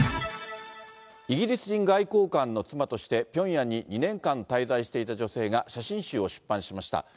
イギリス人外交官の妻として、ピョンヤンに２年間滞在していた女性が、写真集を出版しました。